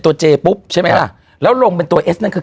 ตัวเจปุอปเป็นแล้วหลงเป็นสกุล